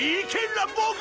ランボーグ！